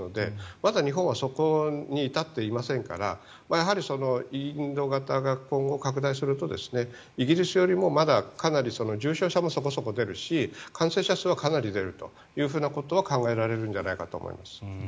まだ、日本はそこに至っていませんからやはりインド型が今後、拡大するとイギリスよりもまだかなり重症者もそこそこ出るし感染者数はかなり出るということは考えられるんじゃないかと思います。